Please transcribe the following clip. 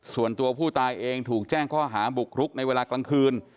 ส่วนตัวผู้ตายเองถูกแจ้งข้อหาบุกรุกในเวลากลางคืน